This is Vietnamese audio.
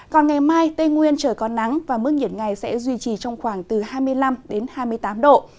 còn ngày mai tây nguyên trời có nắng và mức nhiệt ngày sẽ duy trì trong khoảng từ hai mươi năm hai mươi tám độ